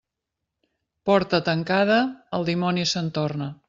Porta tancada, el dimoni se'n torna.